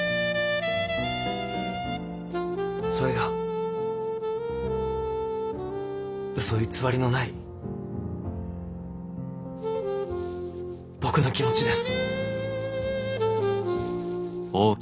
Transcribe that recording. それがうそ偽りのない僕の気持ちです。